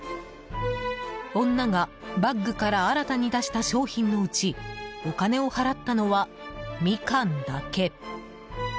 女がバッグから新たに出した商品のうちお金を払ったのはミカンだけ。